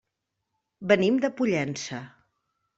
Venim de Pollença.